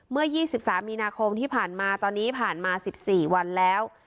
เมื่อยี่สิบสามมีนาคมที่ผ่านมาตอนนี้ผ่านมาสิบสี่วันแล้ว